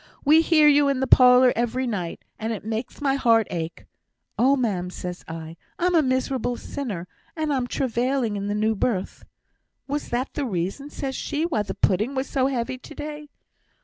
We hear you in the parlour every night, and it makes my heart ache.' 'Oh, ma'am,' says I, 'I'm a miserable sinner, and I'm travailing in the new birth.' 'Was that the reason,' says she, 'why the pudding was so heavy to day?'